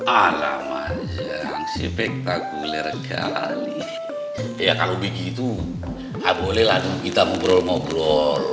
alamajang spektakuler kali ya kalau begitu bolehlah kita ngobrol ngobrol